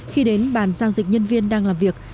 khi đến bàn giao dịch nhân viên đang làm việc